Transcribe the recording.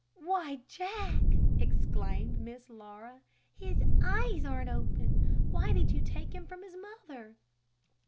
"Why, Jack!" exclaimed Miss Laura, "his eyes aren't open; why did you take him from his mother?"